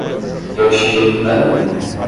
Eu te digo que não é bom.